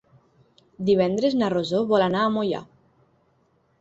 Divendres na Rosó vol anar a Moià.